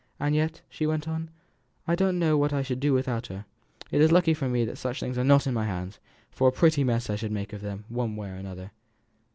"And yet," she went on, "I don't know what I should do without her; it is lucky for me that things are not in my hands, for a pretty mess I should make of them, one way or another.